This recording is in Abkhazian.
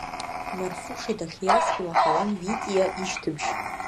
Марфуша дахьиаз илаҳауан Витиа ишьҭыбжь.